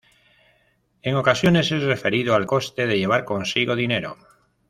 En ocasiones es referido al coste de llevar consigo dinero.